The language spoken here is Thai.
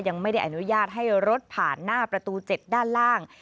ยังไม่ได้อนุญาตให้รถผ่านหน้าประตู๗ด้านล่าง